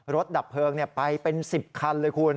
ดับเพลิงไปเป็น๑๐คันเลยคุณ